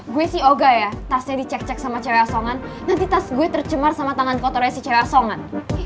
gue sih oga ya tasnya dicek cek sama cewek asongan nanti tas gue tercemar sama tangan kotornya si cewek asongan